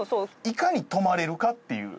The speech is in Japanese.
いかに止まれるかっていう。